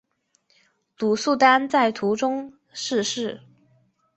鲁速丹在途中逝世。